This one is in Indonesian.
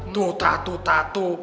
tuh tatu tatu